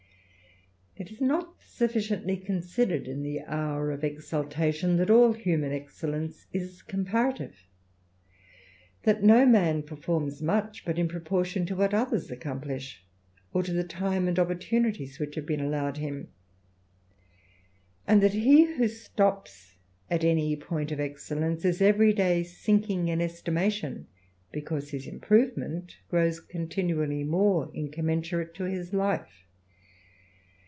It is not sufficiently considered in the hour of exultation^, that all human excellence is comparative ; that no manr performs much but in proportion to what others accomplisl^ or to the time and opportunities which have been allowe him ; and that he who stops at any point of excellence every day sinking in estimation, because his improvement grows continually more incommensurate to his life.